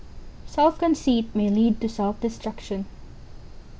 "SELF CONCEIT MAY LEAD TO SELF DESTRUCTION."